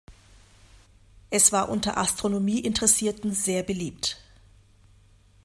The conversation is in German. Es war unter Astronomie-Interessierten sehr beliebt.